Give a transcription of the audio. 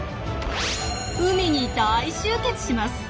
海に大集結します。